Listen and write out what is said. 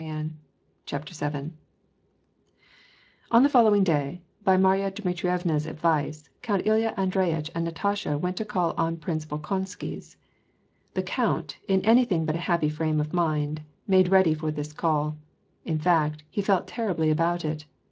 883 CHAPTER VIL On the following day, by Marya Dmitrievna's advice Count Ilya Andreyitch and Natasha went to call at Prince Bolkonsky 's. The count, in anything but a happy frame of mind, made ready for this call ; in fact, he felt terribly about it.